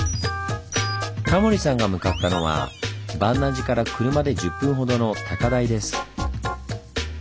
タモリさんが向かったのは鑁阿寺から車で１０分ほどの高台です。